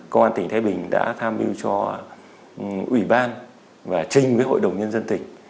công an tỉnh thái bình đã tham mưu cho ủy ban và trình với hội đồng nhân dân tỉnh